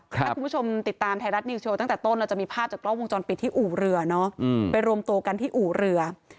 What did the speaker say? ถ้าคุณผู้ชมติดตามไทยรัฐนิวโชว์ตั้งแต่ต้นเราจะมีภาพจากกล้องวงจรปิดที่อู่เรือเนาะไปรวมตัวกันที่อู่เรือ